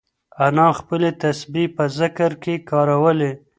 انا خپلې تسبیح په ذکر کې کارولې.